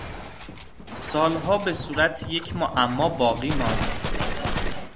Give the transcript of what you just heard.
سالها به صورت یک معما باقی ماند.